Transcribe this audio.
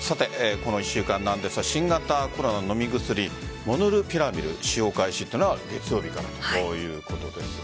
この１週間なんですが新型コロナの飲み薬モルヌピラビル使用開始というのが月曜日からということです。